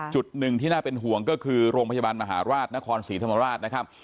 จุดหนึ่งที่น่าเป็นห่วงก็คือโรงพยาบาลมหาราชนครศรีธรรมราชนะครับ